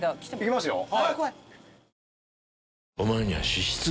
いきますよ。